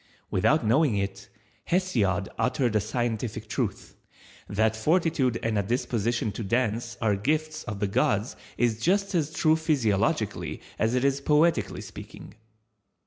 Without knowing it, Hesiod uttered a scientific truth. That Fortitude and a Disposition to Dance are gifts of the gods is just as true physiologically as it is poetically speaking.